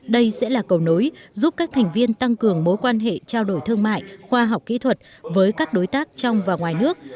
đây sẽ là cầu nối giúp các thành viên tăng cường mối quan hệ trao đổi thương mại khoa học kỹ thuật với các đối tác trong và ngoài nước